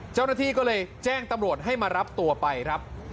เจ้าหน้าที่ก็เลยแจ้งตำรวจให้มารับตัวไปครับ